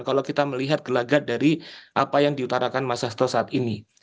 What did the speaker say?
kalau kita melihat gelagat dari apa yang diutarakan mas hastoni